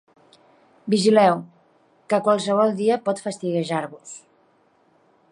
Vigileu, que qualsevol dia pot fastiguejar-vos.